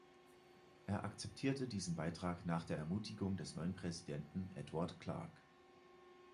Er akzeptierte diesen Beitrag nach der Ermutigung des neuen Präsidenten, Edward Clark.